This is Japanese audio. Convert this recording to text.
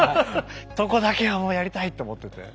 そこだけはもうやりたいと思ってて。